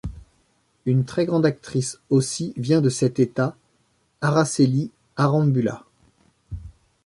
Une très grande actrice aussi vient de cet État, Aracely Arambula.